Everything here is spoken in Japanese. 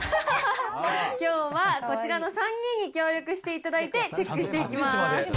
きょうはこちらの３人に協力していただいて、チェックしていきます。